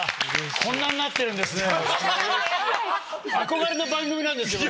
こんななってるんですね。